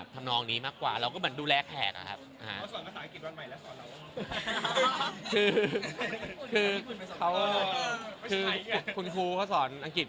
ก็ดีครับสนุกดี